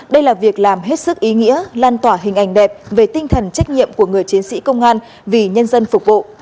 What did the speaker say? đây là việc làm hết sức ý nghĩa lan tỏa hình ảnh đẹp về tinh thần trách nhiệm của người chiến sĩ công an vì nhân dân phục vụ